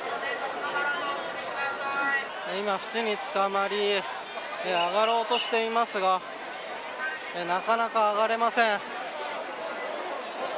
今、縁につかまり上がろうとしていますがなかなか上がれません。